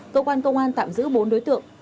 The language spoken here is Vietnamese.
cơ quan công an tạm giữ bốn đối tượng